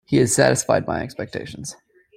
He has satisfied my expectations.